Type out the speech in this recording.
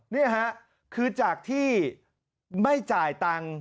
นี่ค่ะคือจากที่ไม่จ่ายตังค์